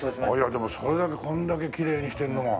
でもそれだけこれだけきれいにしてるのが。